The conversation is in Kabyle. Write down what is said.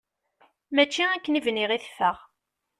Mačči akken i bniɣ i teffeɣ.